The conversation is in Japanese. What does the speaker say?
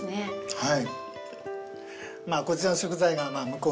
はい。